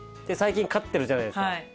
最近勝ってるじゃないですか。